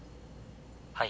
☎はい。